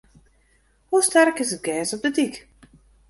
Hoe sterk is it gers op de dyk?